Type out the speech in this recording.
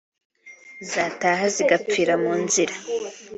zataha zigapfira mu nzira